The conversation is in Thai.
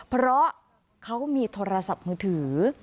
เพราะเขามีโทรศัพท์มือถือ